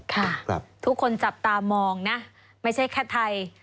ค่ะทุกคนจับตามองนะไม่ใช่แค่ไทย